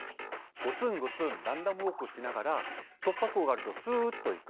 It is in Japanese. ゴツンゴツンランダムウォークしながら突破口があるとすっと行く。